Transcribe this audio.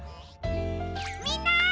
みんな！